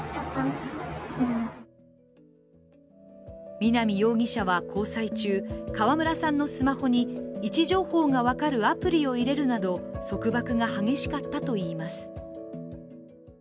南容疑者は交際中、川村さんのスマホに位置情報が分かるアプリを入れるなど束縛が激しかったといいます。